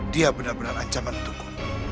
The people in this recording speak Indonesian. dia benar benar ancaman untukku